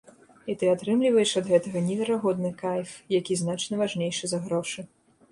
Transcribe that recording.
І ты атрымліваеш ад гэтага неверагодны кайф, які значна важнейшы за грошы.